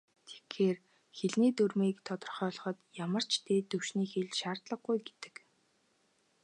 Тэгэхээр, хэлний дүрмийг тодорхойлоход ямар ч "дээд түвшний хэл" шаардлагагүй гэдэг.